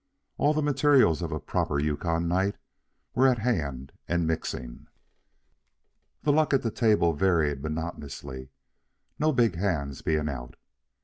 All the materials of a proper Yukon night were at hand and mixing. The luck at the table varied monotonously, no big hands being out.